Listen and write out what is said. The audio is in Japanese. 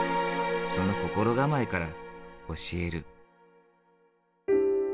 その心構えから教える。